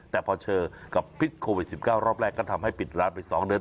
แต่พอเจอกับพิษโควิด๑๙รอบแรกก็ทำให้ปิดร้านไป๒เดือน